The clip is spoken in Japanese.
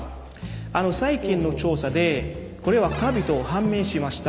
あの最近の調査でこれはカビと判明しました。